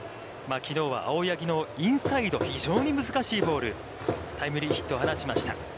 きのうは青柳のインサイド、非常に難しいボール、タイムリーヒットを放ちました。